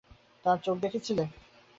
তার চোখ দেখেছিলে?